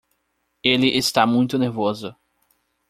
Ele está muito nervoso.